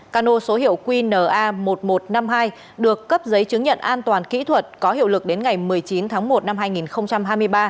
cano số hiệu qna một nghìn một trăm năm mươi hai được cấp giấy chứng nhận an toàn kỹ thuật có hiệu lực đến ngày một mươi chín tháng một năm hai nghìn hai mươi ba